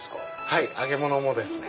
はい揚げ物もですね。